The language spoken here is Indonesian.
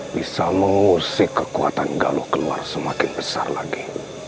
bisa mengusik kekuatan galuh keluar semakin besar lagi